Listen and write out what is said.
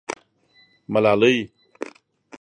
_ملالۍ.